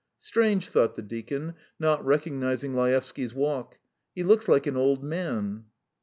"Strange," thought the deacon, not recognising Laevsky's walk; "he looks like an old man.